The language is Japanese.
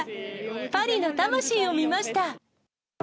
パリの魂を見ました。